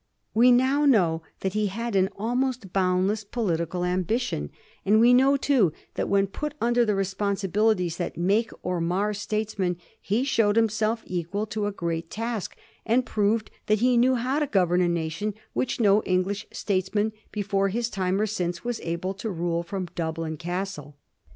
We now know that he had an almost boundless political ambition ; and we know, too, that when put under the responsibilities that make or mar statesmen, he showed himself equal to a great task, and proved that he knew how to govern a nation which no English states man before his time or since was able to rule from Dublin Castle.